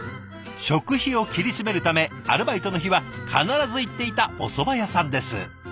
食費を切り詰めるためアルバイトの日は必ず行っていたおそば屋さんです。